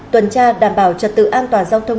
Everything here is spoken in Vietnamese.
tuần tra đảm bảo trật tự an toàn giao thông